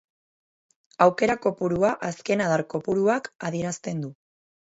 Aukera kopurua azken adar kopuruak adierazten du.